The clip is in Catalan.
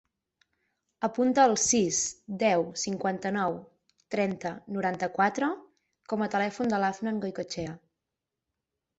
Apunta el sis, deu, cinquanta-nou, trenta, noranta-quatre com a telèfon de l'Afnan Goicoechea.